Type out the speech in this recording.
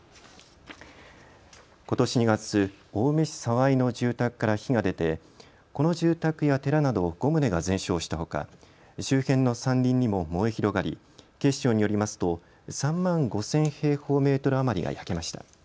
ことし２月、青梅市沢井の住宅から火が出て、この住宅や寺など５棟が全焼したほか周辺の山林にも燃え広がり警視庁によりますと３万５０００平方メートル余りが焼けました。